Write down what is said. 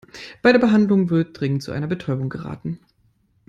Bei der Behandlung wird dringend zu einer Betäubung geraten.